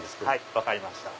分かりました。